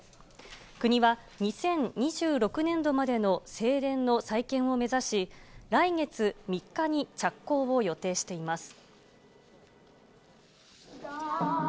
国は２０２６年度までの正殿の再建を目指し、来月３日に着工を予定しています。